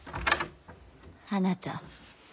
あなた。